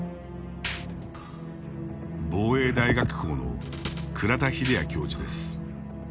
防衛大学校の倉田秀也教授です。